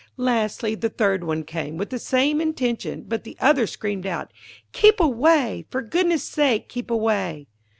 Lastly, the third one came, with the same intention, but the others screamed out, 'Keep away! For goodness sake, keep away!'